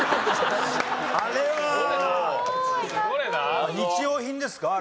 あれは日用品ですか？